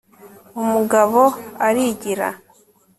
umugabo arigira